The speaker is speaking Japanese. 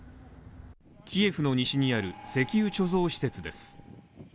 キエフの西にある石油貯蔵施設です。